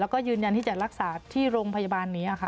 แล้วก็ยืนยันที่จะรักษาที่โรงพยาบาลนี้ค่ะ